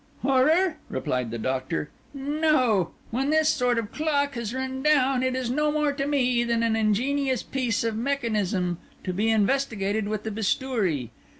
"Horror?" replied the Doctor. "No. When this sort of clock has run down, it is no more to me than an ingenious piece of mechanism, to be investigated with the bistoury.